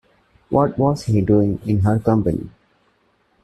What was he doing in her company?